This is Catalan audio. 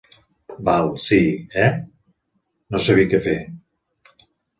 Val, sí, eh?, no sabia què fer.